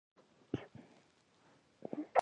که پیانو وي نو غږ نه ورکېږي.